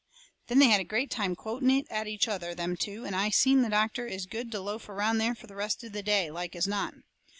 Then they had a great time quoting it at each other, them two, and I seen the doctor is good to loaf around there the rest of the day, like as not.